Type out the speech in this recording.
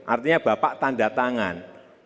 artinya bapak tanda tangan